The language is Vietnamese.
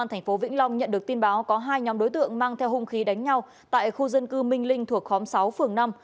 công an tp vĩnh long nhận được tin báo có hai nhóm đối tượng mang theo hung khí đánh nhau tại khu dân cư minh linh thuộc khóm sáu phường năm